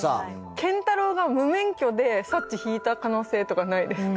健太郎が無免許で佐知ひいた可能性とかないですか？